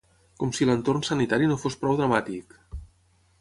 Com si l’entorn sanitari no fos prou dramàtic!